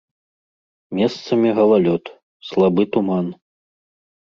Месцамі галалёд, слабы туман.